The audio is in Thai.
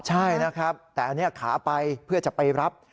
ใช่นะครับแต่อันนี้ขาไปเพื่อจะไปรับ